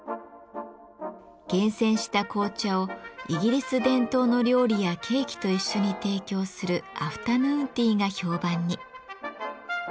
厳選した紅茶をイギリス伝統の料理やケーキと一緒に提供するアフタヌーンティーが評判に。